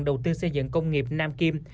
đầu tư xây dựng công nghiệp nam kim